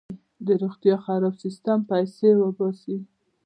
د روغتیا خراب سیستم پیسې وباسي.